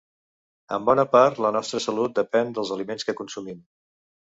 En bona part, la nostra salut depèn dels aliments que consumim.